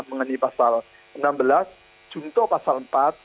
mengenai pasal enam belas junto pasal empat